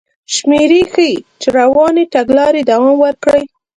شمېرې ښيي چې که روانې تګلارې دوام وکړي